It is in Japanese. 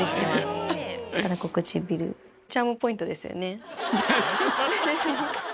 たらこ唇チャームポイントですよね。